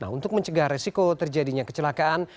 untuk mencegah resiko terjadinya kecelakaan